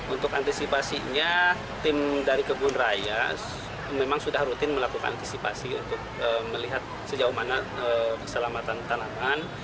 untuk antisipasinya tim dari kebun raya memang sudah rutin melakukan antisipasi untuk melihat sejauh mana keselamatan tanaman